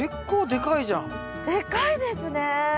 でかいですね。